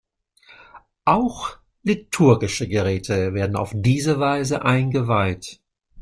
Auch liturgische Geräte werden auf diese Weise "eingeweiht".